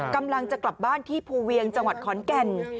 กำลังจะกลับบ้านที่ภูเวียงจังหวัดขอนแก่น